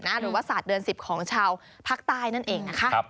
หรือว่าศาสตร์เดือน๑๐ของชาวภาคใต้นั่นเองนะคะ